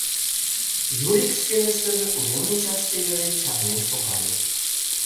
Юрик шкеныштын урем мучаште веле чарнен шогале.